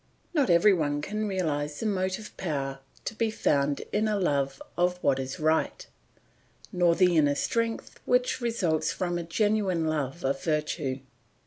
Not every one can realise the motive power to be found in a love of what is right, nor the inner strength which results from a genuine love of virtue.